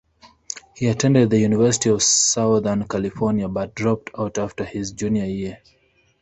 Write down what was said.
He attended the University of Southern California, but dropped out after his junior year.